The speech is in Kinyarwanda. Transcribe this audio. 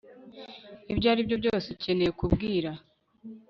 ibyo aribyo byose ukeneye kumbwira